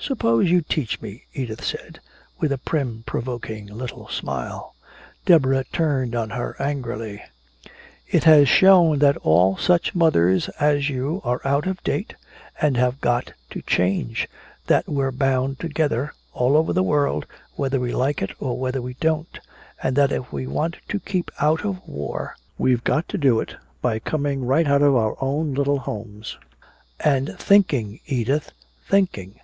"Suppose you teach me," Edith said, with a prim provoking little smile. Deborah turned on her angrily: "It has shown that all such mothers as you are out of date and have got to change! That we're bound together all over the world whether we like it or whether we don't! And that if we want to keep out of war, we've got to do it by coming right out of our own little homes _and thinking, Edith, thinking!